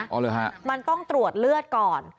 อ๋อหรือฮะมันต้องตรวจเลือดก่อน